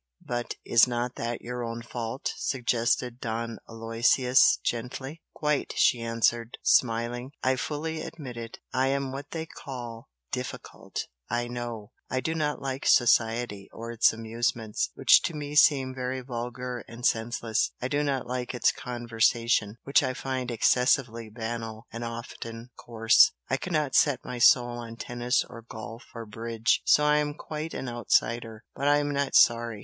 "But is not that your own fault?" suggested Don Aloysius, gently. "Quite!" she answered, smiling "I fully admit it. I am what they call 'difficult' I know, I do not like 'society' or its amusements, which to me seem very vulgar and senseless, I do not like its conversation, which I find excessively banal and often coarse I cannot set my soul on tennis or golf or bridge so I'm quite an 'outsider.' But I'm not sorry!